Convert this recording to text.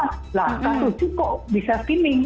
nah kartu cip kok bisa skimming